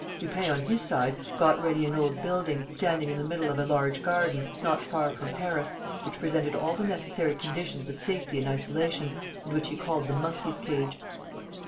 Lupin, on his side, got ready an old building, standing in the middle of a large garden, not far from Paris, which presented all the necessary conditions of safety and isolation and which he called the Monkey's Cage.